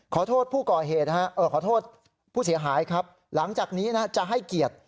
ขอโทษผู้เสียหายหลังจากนี้จะให้เกียรติ